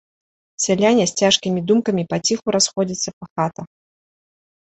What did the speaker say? Сяляне з цяжкімі думкамі паціху расходзяцца па хатах.